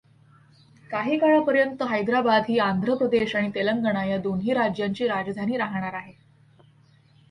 काही काळापर्यंत हैदराबाद ही अांध्र प्रदेश आणि तेलंगणा या दोन्ही राज्यांची राजधानी राहणार आहे.